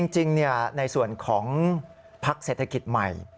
จริงในส่วนของพักเศรษฐกิจใหม่